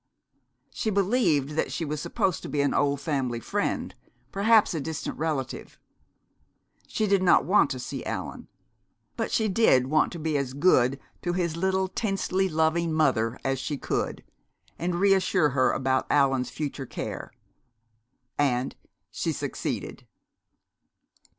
She believed that she was supposed to be an old family friend, perhaps a distant relative. She did not want to see Allan. But she did want to be as good to his little, tensely loving mother as she could, and reassure her about Allan's future care. And she succeeded.